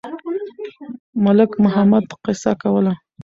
ملک محمد قصه کوله.